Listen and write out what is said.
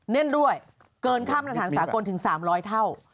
เน่นรวยเกินข้ามนัฐานสากลถึง๓๐๐เท่า